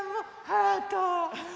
ハート。